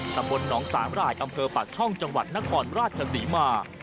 ตำบลหนองสามรายอำเภอปากช่องจังหวัดนครราชศรีมา